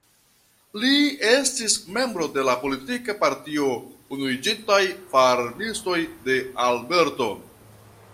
Li estis membro de la politika partio Unuiĝintaj Farmistoj de Alberto.